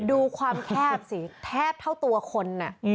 ดูความแคบสิแทบเท่าตัวคน